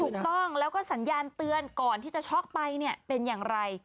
ถูกต้องแล้วก็สัญญาณเตือนก่อนที่จะช็อกไปเนี่ยเป็นอย่างไร